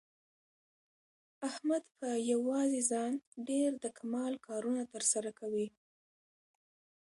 احمد په یووازې ځان ډېر د کمال کارونه تر سره کوي.